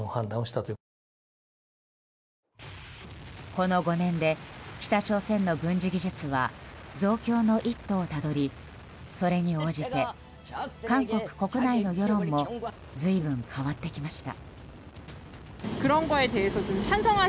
この５年で北朝鮮の軍事技術は増強の一途をたどりそれに応じて、韓国国内の世論も随分変わってきました。